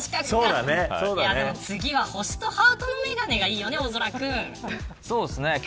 次は、星とハートの眼鏡がいいよね、大空くん。